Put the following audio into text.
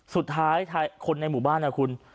สุดท้ายคนในหมู่บ้านนะคุณ